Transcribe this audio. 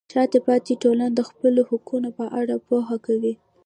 شاته پاتې ټولنه د خپلو حقونو په اړه پوهه کوي.